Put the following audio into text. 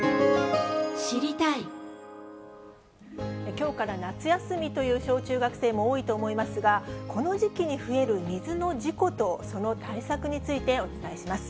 きょうから夏休みという小中学生も多いと思いますが、この時期に増える水の事故と、その対策についてお伝えします。